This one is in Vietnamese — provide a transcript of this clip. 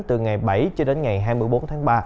từ ngày bảy cho đến ngày hai mươi bốn tháng ba